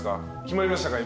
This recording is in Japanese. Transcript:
決まりましたか？